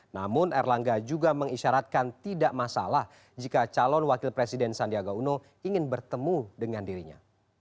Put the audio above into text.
namun erlangga juga mengisyaratkan tidak masalah jika calon wakil presiden sandiaga uno ingin bertemu dengan dirinya